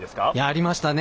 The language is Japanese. ありましたね。